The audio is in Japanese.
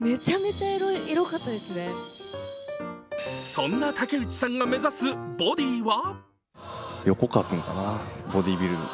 そんな竹内さんが目指すボディーは？